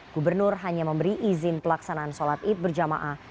gubernur hanya memberi izin pelaksanaan sholat idul fitri berjamaah